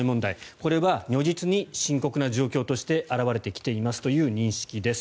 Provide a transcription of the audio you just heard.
これは如実に深刻な問題として現れてきていますという認識です。